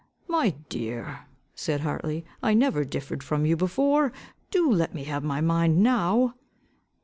"My dear," said Hartley, "I never differed from you before: do let me have my mind now."